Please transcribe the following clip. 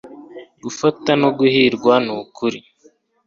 gufata no guhirwa nukuri